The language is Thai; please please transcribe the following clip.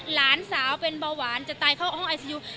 หลานสาวเป็นเบาหวานจะตายเข้าห้องไอซียู